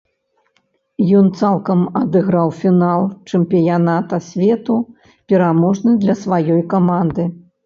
Ён цалкам адыграў фінал чэмпіяната свету, пераможны для сваёй каманды.